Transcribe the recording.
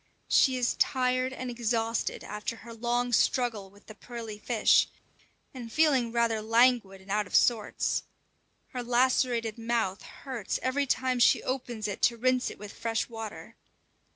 She is tired and exhausted after her long struggle with the pearly fish, and feeling rather languid and out of sorts. Her lacerated mouth hurts every time she opens it to rinse it with fresh water.